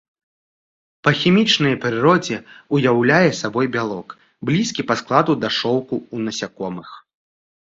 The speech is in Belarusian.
Па хімічнай прыродзе ўяўляе сабой бялок, блізкі па складу да шоўку у насякомых.